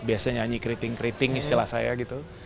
biasanya nyanyi keriting keriting istilah saya gitu